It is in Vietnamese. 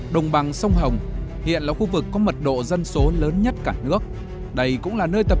đồng bằng sông hồng hiện là khu vực có mật độ dân số lớn nhất cả nước đây cũng là nơi tập